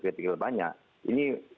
kritikal banyak ini